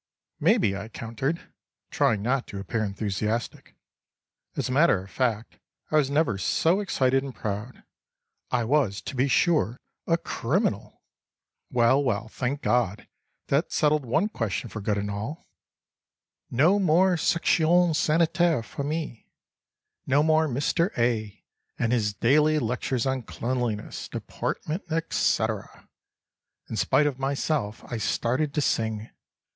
"Maybe," I countered, trying not to appear enthusiastic. As a matter of fact I was never so excited and proud. I was, to be sure, a criminal! Well, well, thank God that settled one question for good and all—no more Section Sanitaire for me! No more Mr. A. and his daily lectures on cleanliness, deportment, etc.! In spite of myself I started to sing.